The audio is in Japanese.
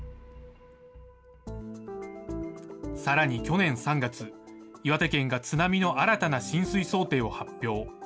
さらに去年３月、岩手県が津波の新たな浸水想定を発表。